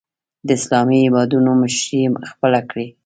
د اسلامي هېوادونو مشري خپله کړي